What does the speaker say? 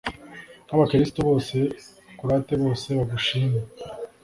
n'abakristu bose, bakurate bose, bagushime